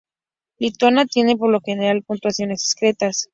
Lituania tiene, por lo general, puntuaciones discretas.